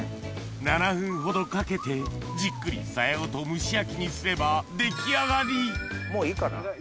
７分ほどかけてじっくりさやごと蒸し焼きにすれば出来上がりもういいかな？